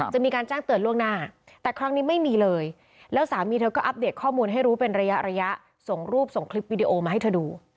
จะมีการแจ้งเตือนล่วงหน้าแต่ครั้งนี้ไม่มีเลยแล้วสามีเธอก็อัปเดตข้อมูลให้รู้เป็นระยะระยะส่งรูปส่งคลิปวิดีโอมาให้เธอดู